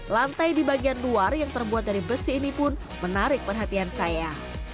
lantai di bagian luar yang terbuat dari besi ini pun menarik perhatian saya